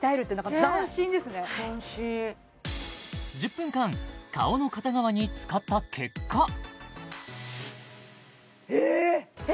斬新１０分間顔の片側に使った結果ええ！？